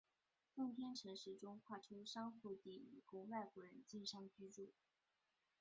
奉天城市中划出商埠地以供外国人经商居住。